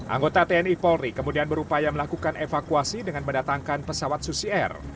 anggota tni polri kemudian berupaya melakukan evakuasi dengan mendatangkan pesawat susi air